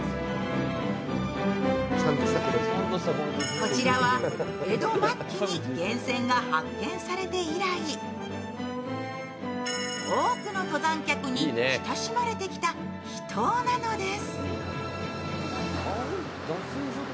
こちらは、江戸末期に源泉が発見されて以来、多くの登山客に親しまれてきた秘湯なのです。